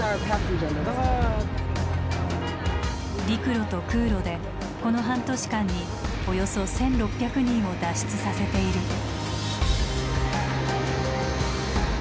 陸路と空路でこの半年間におよそ１，６００人を脱出させている。